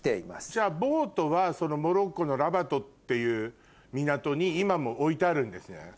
じゃあボートはモロッコのラバトっていう港に今も置いてあるんですね？